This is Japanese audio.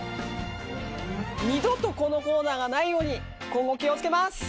二度とこのコーナーがないように今後気をつけます。